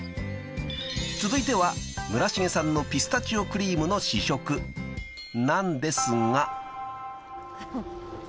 ［続いては村重さんのピスタチオクリームの試食なんですが］